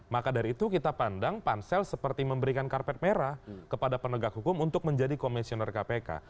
maka dari itu kita pandang pansel seperti memberikan karpet merah kepada penegak hukum untuk menjadi komisioner kpk